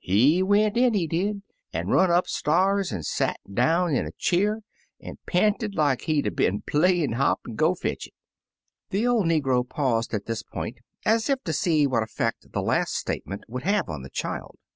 He went in, he 6i Uncle Remus Returns dldy an' run up sta'rs an' sot down in a cheer, an' panted like he'd been playin* hop an' go fetch it/' The old negro paused at this point, as if to see what effect the last statement would have on the child.